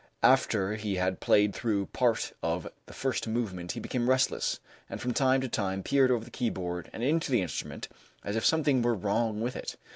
After he had played through part of the first movement he became restless, and from time to time peered over the keyboard and into the instrument as if something were wrong with it.